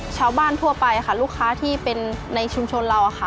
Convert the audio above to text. ทั่วไปค่ะลูกค้าที่เป็นในชุมชนเราค่ะ